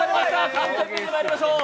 ３回戦にまいりましょう。